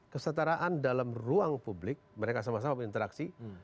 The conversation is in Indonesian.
kesetaraan dalam ruang publik mereka sama sama berinteraksi